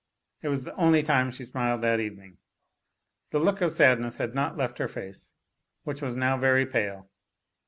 It was the only time she smiled that evening. The look of sadness had not left her face, which was now very pale.